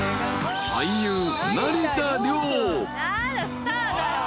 スターだ。